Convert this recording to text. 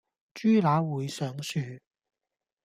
豬乸會上樹